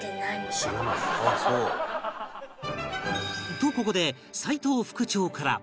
とここで齋藤副長から